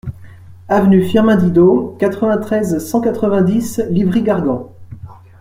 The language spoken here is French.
Avenue Firmin Didot, quatre-vingt-treize, cent quatre-vingt-dix Livry-Gargan